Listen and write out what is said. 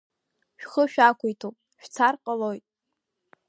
Шәхы шәақәиҭуп, шәцар ҟалоит!